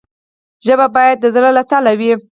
ژبه باید د زړه له تله وي.